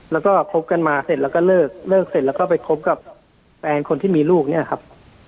แล้วก็คบกันมาเสร็จแล้วก็เลิกเลิกเสร็จแล้วก็ไปคบกับแฟนคนที่มีลูกเนี่ยครับ